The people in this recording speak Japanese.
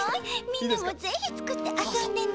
みんなもぜひつくってあそんでね。